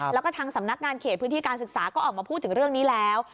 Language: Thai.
แล้วก็ทางสำนักงานเขตพื้นที่การศึกษาก็ออกมาพูดถึงเรื่องนี้แล้ว